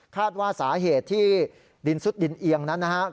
คาดว่าสาเหตุที่ดินซุดดินเอียงนั้นนะฮะ